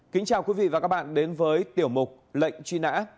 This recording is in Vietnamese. kính chào quý vị và các bạn đến với tiểu mục lệnh truy nã